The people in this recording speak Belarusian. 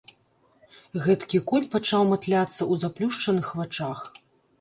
Гэткі конь пачаў матляцца ў заплюшчаных вачах.